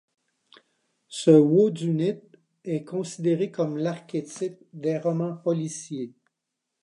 Ce whodunit est considéré comme l'archétype des romans policiers.